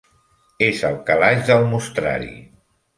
És al calaix del mostrari.